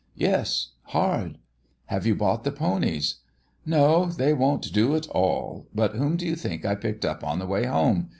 "Yes; hard." "Have you bought the ponies?" "No; they won't do at all. But whom do you think I picked up on the way home?